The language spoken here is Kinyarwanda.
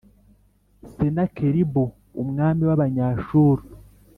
Senakeribu, umwami w’Abanyashuru,